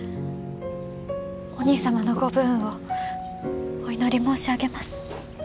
お兄様のご武運をお祈り申し上げます。